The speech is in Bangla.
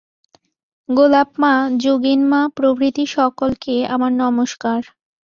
গোলাপ-মা, যোগীন-মা প্রভৃতি সকলকে আমার নমস্কার।